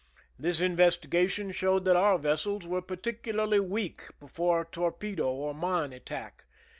This in vestigation showed that our vessels were particu larly weak before torpedo or mine attack.